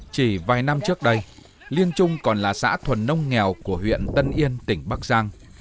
chỉ vài năm trước đây liên trung còn là xã thuần nông nghèo của huyện tân yên tỉnh bắc giang